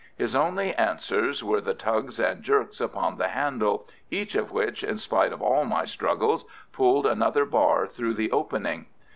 His only answers were the tugs and jerks upon the handle, each of which, in spite of all my struggles, pulled another bar through the opening.